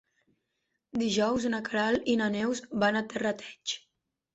Dijous na Queralt i na Neus van a Terrateig.